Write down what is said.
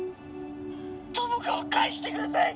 友果を返してください！